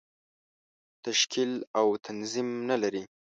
تشکیل او تنظیم نه لري.